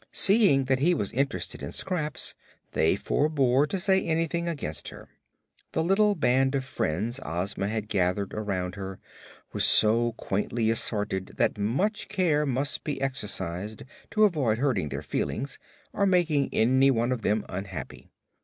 Seeing that he was interested in Scraps they forbore to say anything against her. The little band of friends Ozma had gathered around her was so quaintly assorted that much care must be exercised to avoid hurting their feelings or making any one of them unhappy.